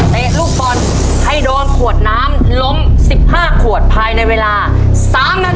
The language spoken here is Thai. เตะลูกบอลให้โดนขวดน้ำล้ม๑๕ขวดภายในเวลา๓นาที